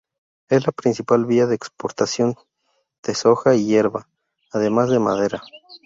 Es la principal via de exportación de soja y yerba, además de madera.